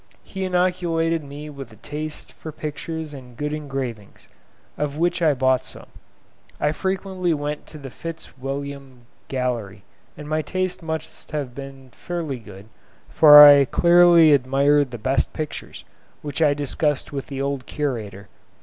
He inoculated me with a taste for pictures and good engravings, of which I bought some. I frequently went to the Fitzwilliam Gallery, and my taste must have been fairly good, for I certainly admired the best pictures, which I discussed with the old curator.